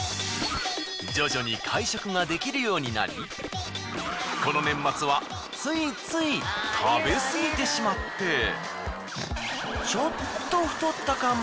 徐々に会食ができるようになりこの年末はついつい食べ過ぎてしまって。